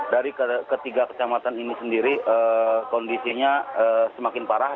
dari ketiga kecamatan ini sendiri kondisinya semakin parah